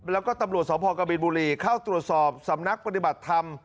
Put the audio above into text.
แล้วก็ตำรวจสพกบินบุรีเข้าตรวจสอบสำนักปฏิบัติธรรม